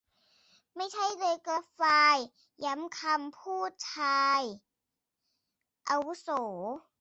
ไม่ใช่เลย กรัฟฟลาย ย้ำคำพูดชายอาวุโส